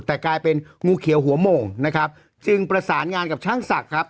แต่กลายเป็นงูเขียวหัวโมงนะครับจึงประสานงานกับช่างศักดิ์ครับ